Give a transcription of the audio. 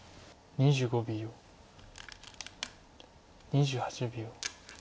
２８秒。